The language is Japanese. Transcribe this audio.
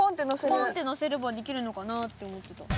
ポンってのせればできるのかなぁって思ってた。